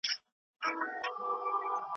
حقوقپوهان څنګه سیاسي بندیان خوشي کوي؟